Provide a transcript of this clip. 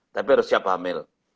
tapi harus siap hamil